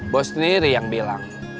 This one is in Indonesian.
bos sendiri yang bilang